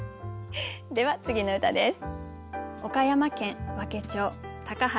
では次の歌です。